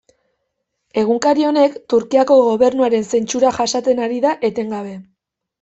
Egunkari honek Turkiako gobernuaren zentsura jasaten ari da etengabe.